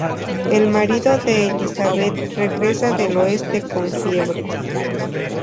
El marido de Elizabeth regresa del oeste con fiebres.